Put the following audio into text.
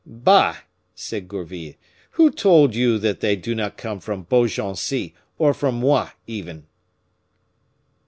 "Bah!" said Gourville, "who told you that they do not come from Beaugency or from Moit even?"